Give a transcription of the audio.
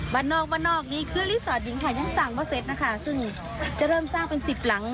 บ้านนอกบ้านนอกนี้คือดิงค่ะยังสั่งนะคะซึ่งจะเริ่มสร้างเป็นสิบหลัง